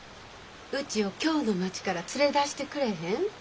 うちを京の町から連れ出してくれへん？